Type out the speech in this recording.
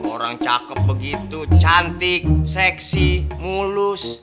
orang cakep begitu cantik seksi mulus